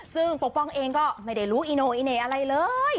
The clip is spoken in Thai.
ซึ่งปกป้องเองก็ไม่ได้รู้อีโนอิเน่อะไรเลย